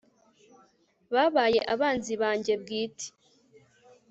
babaye abanzi banjye bwite